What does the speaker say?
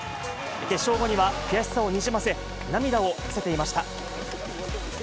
決勝後には悔しさをにじませ、涙を見せていました。